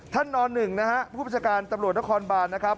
ท่านนหนึ่งนะฮะผู้ประชาการตำรวจนครบานนะครับ